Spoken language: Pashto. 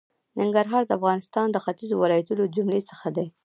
ننګرهار د افغانستان د ختېځو ولایتونو د جملې څخه دی.